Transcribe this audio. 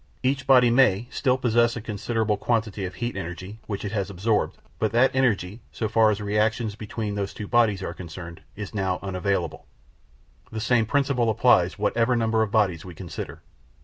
Each body may still possess a considerable quantity of heat energy, which it has absorbed, but that energy, so far as reactions between those two bodies are concerned, is now unavailable. The same principle applies whatever number of bodies we consider.